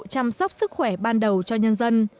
chăm sóc sức khỏe ban đầu cho nhân dân